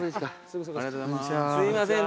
すいません。